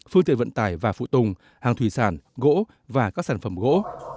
phương tiện vận tải và phụ tùng hàng thủy sản gỗ và các sản phẩm gỗ